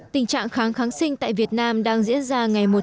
tình trạng kháng kháng sinh tại việt nam đang diễn ra ngày hôm nay